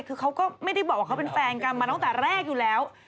คือเขาก็ไม่ได้บอกว่าเขาเป็นแฟนกันมาตั้งแต่แรกอยู่แล้ว